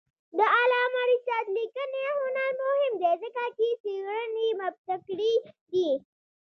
د علامه رشاد لیکنی هنر مهم دی ځکه چې څېړنې مبتکرې دي.